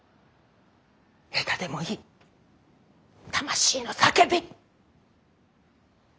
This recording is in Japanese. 下手でもいい魂の叫び！